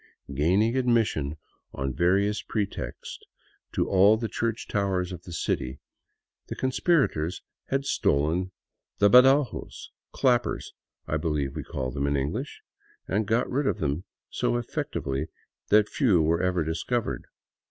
Gaining admission on various pretexts to all the church towers of the city, the conspira tors had stolen the badajos — clappers, I believe we call them in English — and got rid of them so effectually that few were ever dis covered.